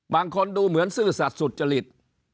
บางคนดูเหมือนซื่อสัตว์สุจริต